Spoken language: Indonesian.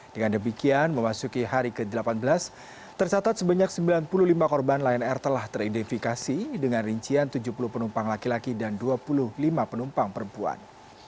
dengan demikian memasuki hari ke delapan belas tercatat sebanyak sembilan puluh lima korban lion air telah teridentifikasi dengan rincian tujuh puluh penumpang laki laki dan dua puluh lima penumpang perempuan